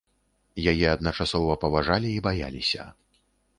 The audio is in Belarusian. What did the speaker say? Яе адначасова паважалі і баяліся.